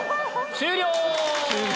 終了！